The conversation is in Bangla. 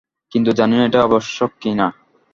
কিন্তু জানি না এটা আবশ্যক কি না।